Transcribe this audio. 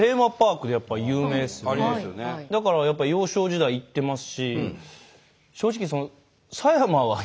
だからやっぱ幼少時代行ってますし。